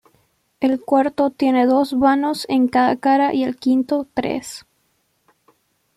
El cuarto tiene dos vanos en cada cara y el quinto, tres.